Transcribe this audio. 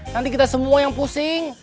nanti kita semua yang pusing